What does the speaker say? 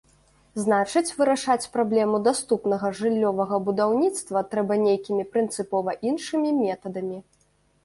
Значыць, вырашаць праблему даступнага жыллёвага будаўніцтва трэба нейкімі прынцыпова іншымі метадамі.